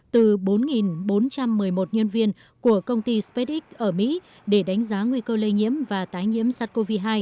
từ bốn bốn trăm một mươi một nhân viên của công ty spacex ở mỹ để đánh giá nguy cơ lây nhiễm và tái nhiễm sars cov hai